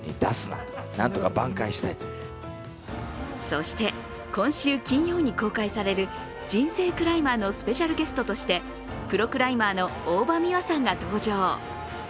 そして、今週金曜に公開される「人生クライマー」のスペシャルゲストとしてプロクライマーの大場美和さんが登場。